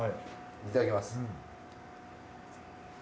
いただきます。